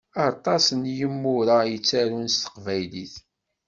Aṭas n yimura i yettarun s teqbaylit.